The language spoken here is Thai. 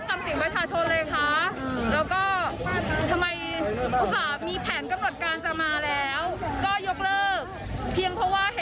ก็ยกเลิศเพียงเพราะว่าคุณมาต้อนรับเยอะแค่นั้นเอง